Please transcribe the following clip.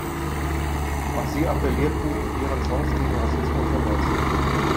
Auch sie appellierten in ihren Songs gegen Rassismus in Deutschland.